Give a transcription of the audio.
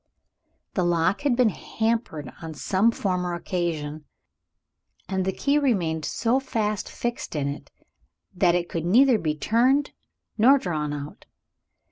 The lock had been hampered on some former occasion; and the key remained so fast fixed in it that it could neither be turned nor drawn out.